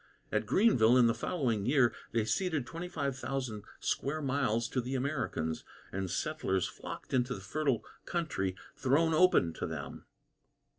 At Greenville, in the following year, they ceded 25,000 square miles to the Americans, and settlers flocked into the fertile country thrown open to them.